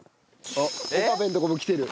あっ岡部のとこも来てる？